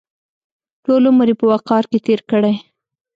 ټول عمر یې په وقار کې تېر کړی.